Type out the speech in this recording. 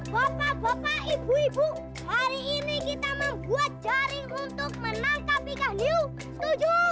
bapak bapak ibu ibu hari ini kita membuat jaring untuk menangkap ikan hiu setuju